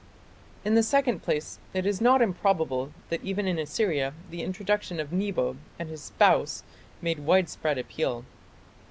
In the second place it is not improbable that even in Assyria the introduction of Nebo and his spouse made widespread appeal.